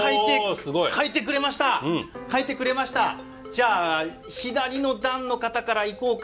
じゃあ左の段の方からいこうか。